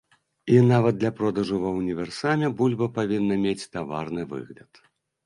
І нават для продажу ва ўніверсаме бульба павінна мець таварны выгляд.